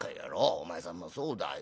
お前さんもそうだよ。